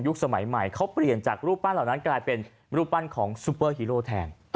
สมัยใหม่เขาเปลี่ยนจากรูปปั้นเหล่านั้นกลายเป็นรูปปั้นของซุปเปอร์ฮีโร่แทน